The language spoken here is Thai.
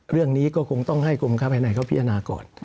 เรื่องนี้ก็คงต้องให้กรมค้าภายในเขาพิจารณาก่อน